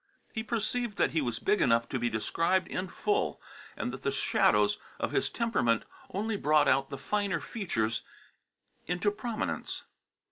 He perceived that he was big enough to be described in full, and that the shadows of his temperament only brought out the finer features into prominence.